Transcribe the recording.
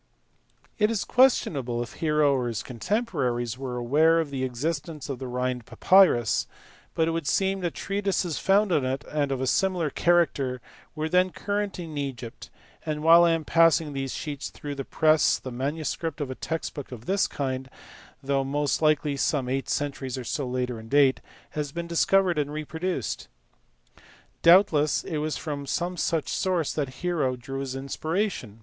It is questionable if Hero or his contemporaries were aware of the existence of the Rhind papyrus, but it would seem that treatises founded on it and of a similar character were then current in Egypt, and while I am passing these sheets through the press the manuscript of a text book of this kind though most likely some eight centuries or so later in date has been discovered and reproduced.* Doubtless it was from some such source that Hero drew his inspiration.